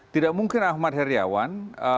tidak mungkin ahmad heriawan